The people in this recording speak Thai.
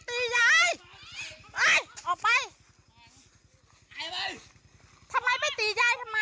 นี่แหละครับคุณผู้ชม